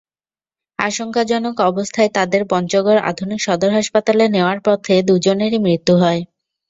আশঙ্কাজনক অবস্থায় তাদের পঞ্চগড় আধুনিক সদর হাসপাতালে নেওয়ার পথে দুজনেরই মৃত্যু হয়।